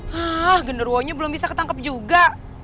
hah genderwanya belum bisa ketangkep juga